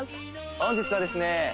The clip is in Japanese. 本日はですね